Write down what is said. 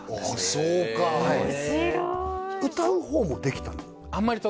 あそうか面白い歌う方もできたの？